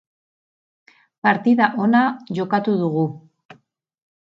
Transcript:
Partida ona jokatu dugu.